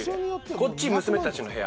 こっち、娘たちの部屋。